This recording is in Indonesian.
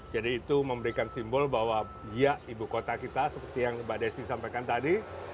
jadi itu memberikan simbol bahwa iya ibu kota kita seperti yang mbak desi sampaikan tadi